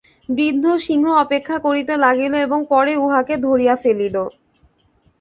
বৃদ্ধ সিংহ অপেক্ষা করিতে লাগিল এবং পরে উহাকে ধরিয়া ফেলিল।